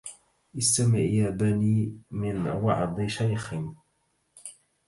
استمع يا بني من وعظ شيخ